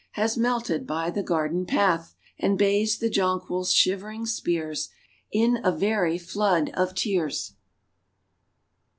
Has melted by the garden path. And bathes the jonquils' shivering spears In a very flood of tears